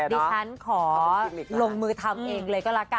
ดิฉันขอลงมือทำเองเลยก็ละกัน